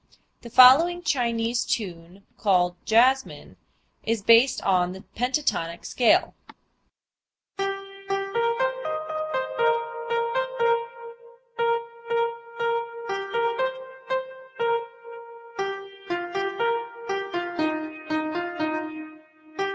The following Chinese tune (called "Jasmine") is based on the pentatonic scale.